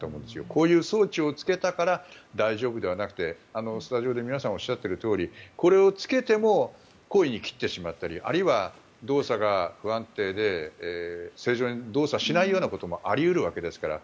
こういう装置をつけたから大丈夫じゃなくてスタジオで皆さんがおっしゃっているとおりこれをつけても故意に切ってしまったりあるいは動作が不安定で正常に動作しないようなこともあり得るわけですから。